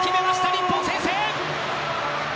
日本、先制！